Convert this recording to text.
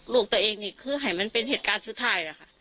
ลูกตัวเองคือไห่มันเป็นเหตุการณ์สุทธิ์